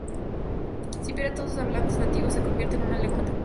Si pierde todos sus hablantes nativos, se convierte en una lengua muerta.